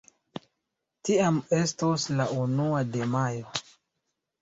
Tiam estos la unua de Majo.